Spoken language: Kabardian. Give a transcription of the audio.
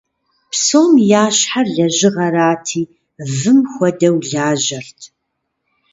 Псом ящхьэр лэжьыгъэрати, вым хуэдэу лажьэрт.